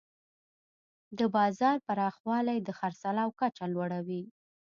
د بازار پراخوالی د خرڅلاو کچه لوړوي.